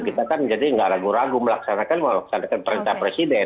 kita kan jadi nggak ragu ragu melaksanakan melaksanakan perintah presiden